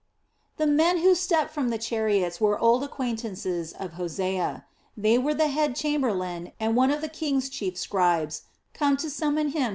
The men who stepped from the chariots were old acquaintances of Hosea. They were the head chamberlain and one of the king's chief scribes, come to summon him to the Sublime Porte.